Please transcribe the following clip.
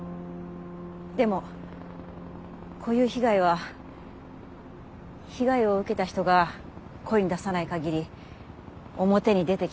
でもこういう被害は被害を受けた人が声に出さない限り表に出てきません。